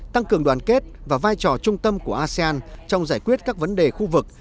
tăng cường đoàn kết và vai trò trung tâm của asean trong giải quyết các vấn đề khu vực